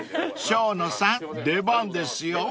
［生野さん出番ですよ］